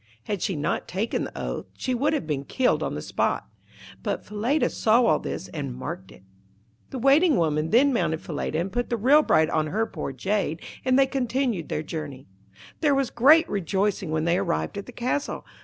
Had she not taken the oath she would have been killed on the spot. But Falada saw all this and marked it. The Waiting woman then mounted Falada and put the real bride on her poor jade, and they continued their journey. There was great rejoicing when they arrived at the castle.